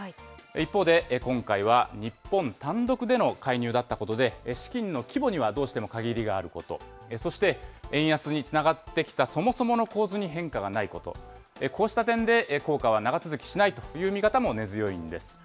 一方で、今回は日本単独での介入だったことで、資金の規模にはどうしても限りがあること、そして円安につながってきたそもそもの構図に変化がないこと、こうした点で効果は長続きしないという見方も根強いんです。